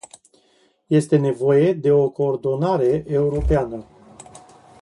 Este nevoie de o coordonare europeană.